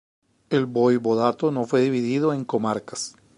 El voivodato no fue dividido en comarcas.